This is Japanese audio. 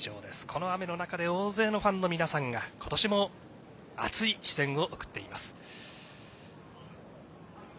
この雨の中で大勢のファンの皆さんが今年も熱い視線を送っています。